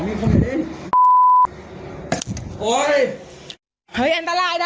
มีคนอีกโอ้ยเฮ้ยแอมตะลายนะ